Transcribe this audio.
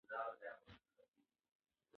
هغې خپل پراته کتابونه په ډېر دقت سره ور ټول کړل.